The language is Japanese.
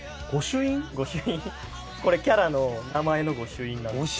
これキャラの名前の御朱印なんですけど。